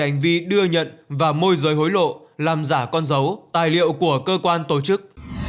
về hành vi đưa nhận và môi giới hối lộ làm giả con dấu tài liệu của cơ quan tổ chức